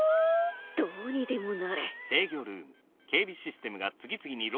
どうにでもなれ。